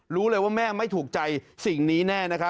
รู้เลยว่าแม่ไม่ถูกใจสิ่งนี้แน่